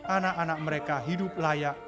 anak anak mereka hidup layak